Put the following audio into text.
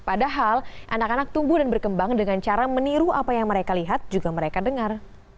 padahal anak anak tumbuh dan berkembang dengan cara meniru apa yang mereka lihat juga mereka dengar